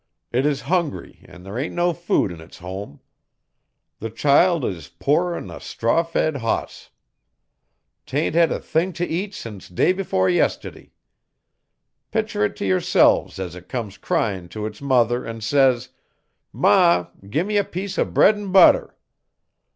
It is hungry an' there ain't no food in its home. The child is poorer'n a straw fed hoss. 'Tain't hed a thing t' eat since day before yistiddy. Pictur' it to yourselves as it comes cryin' to its mother an' says: '"Ma! Gi' me a piece o' bread an' butter."